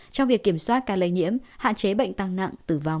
trong việc kiểm soát ca lây nhiễm hạn chế bệnh tăng nặng tử vong